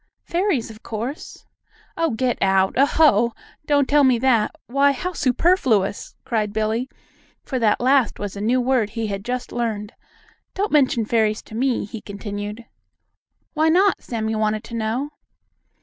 "Fairies, of course." "Oh, get out! Oh, ho! Don't tell me that! Why, how superfluous!" cried Billie, for that last was a new word he had just learned. "Don't mention fairies to me!" he continued. "Why not?" Sammie wanted to know.